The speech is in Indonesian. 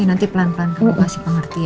nanti pelan pelan aku kasih pengertian ya